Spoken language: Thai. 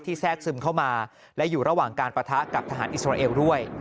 แทรกซึมเข้ามาและอยู่ระหว่างการปะทะกับทหารอิสราเอลด้วย